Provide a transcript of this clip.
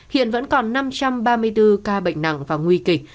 hiện vẫn còn năm trăm ba mươi bốn ca bệnh nặng và nguy kịch